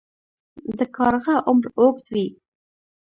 د کارغه عمر اوږد وي